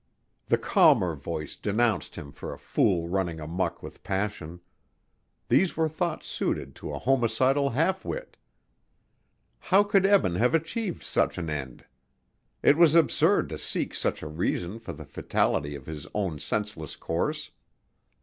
The calmer voice denounced him for a fool running amuck with passion. These were thoughts suited to a homicidal half wit. How could Eben have achieved such an end? It was absurd to seek such a reason for the fatality of his own senseless course.